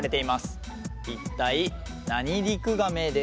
一体何リクガメでしょう？